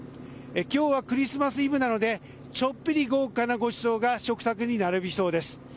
今日はクリスマスイブなのでちょっぴり豪華なごちそうが食卓に並びそうです。